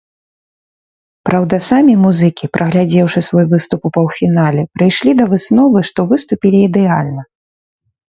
Праўда, самі музыкі, праглядзеўшы свой выступ ў паўфінале, прыйшлі да высновы, што выступілі ідэальна.